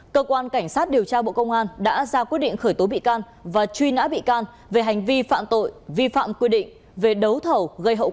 cơ quan cảnh sát điều tra bộ công an đã ra quy định khởi tố bị can và truy nã bị can về hành vi phạm tội vi phạm quy định